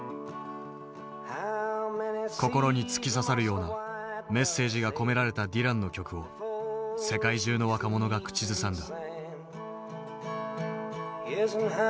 心に突き刺さるようなメッセージが込められたディランの曲を世界中の若者が口ずさんだ。